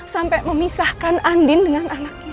sampai memisahkan andin dengan anaknya